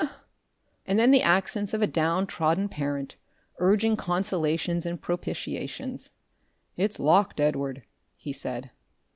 Ny a a ah!" and then the accents of a down trodden parent, urging consolations and propitiations. "It's locked, Edward," he said.